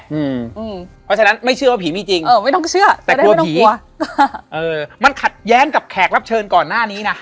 เพราะฉะนั้นไม่เชื่อว่าผีมีจริงเออไม่ต้องเชื่อแต่กลัวผีมันขัดแย้งกับแขกรับเชิญก่อนหน้านี้นะ